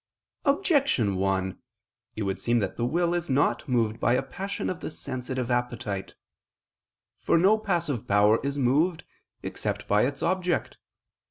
Objection 1: It would seem that the will is not moved by a passion of the sensitive appetite. For no passive power is moved except by its object.